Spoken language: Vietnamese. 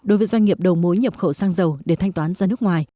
đối với doanh nghiệp đầu mối nhập khẩu sang giàu để thanh toán ra nước ngoài